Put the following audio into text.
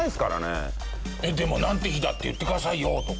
えっでも「なんて日だ！って言ってくださいよ」とか。